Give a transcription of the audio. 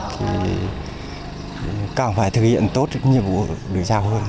thì càng phải thực hiện tốt nhiệm vụ được giao hơn